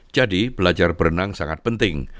jadi belajar berenang sangat penting